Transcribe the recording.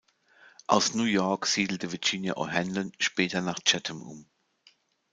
Aus New York siedelte Virginia O'Hanlon später nach Chatham um.